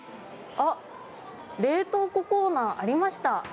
冷凍庫コーナーありました。